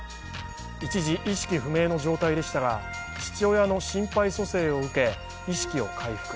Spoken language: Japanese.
一時、意識不明の状態でしたが父親の心肺蘇生を受け、意識を回復。